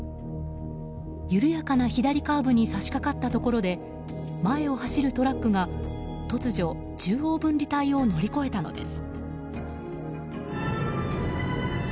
緩やかな左カーブに差し掛かったところで前を走るトラックが突如中央分離帯を乗り越えたのです。